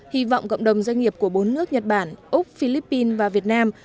hy vọng cộng đồng doanh nghiệp của bốn nước nhật bản úc philippines và việt nam